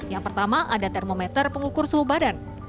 yang pertama ada termometer pengukur suhu badan